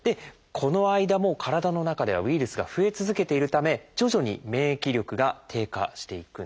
この間も体の中ではウイルスが増え続けているため徐々に免疫力が低下していくんです。